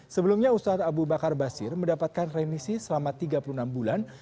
sebelumnya ustadz abu bakar basir mendapatkan remisi selama tiga puluh enam bulan